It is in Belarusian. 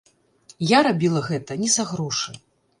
Я рабіла гэта не за грошы.